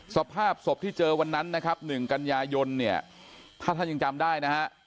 สภาพศพที่เจอวันนั้นนะครับ๑กันยายนเนี่ยถ้าท่านยังจำได้นะฮะ